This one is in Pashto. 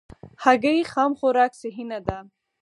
هګۍ خام خوراک صحي نه ده.